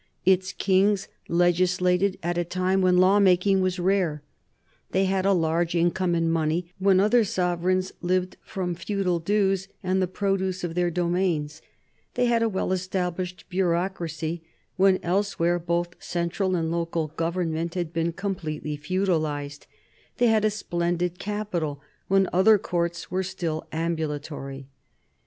Its kings legislated at a time when lawmaking was rare; they had a large in come in money when other sovereigns lived from feudal dues and the produce of their domains ; they had a well established bureaucracy when elsewhere both central and local government had been completely feudalized; they had a splendid capital when other courts were still ambulatory.